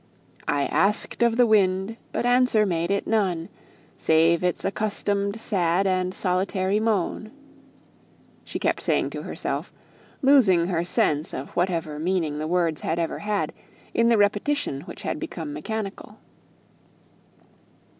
I asked of the wind, but answer made it none, Save its accustomed sad and solitary moan she kept saying to herself, losing her sense of whatever meaning the words had ever had, in the repetition which had become mechanical.